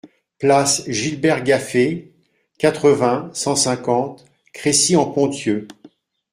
Place Gilbert Gaffet, quatre-vingts, cent cinquante Crécy-en-Ponthieu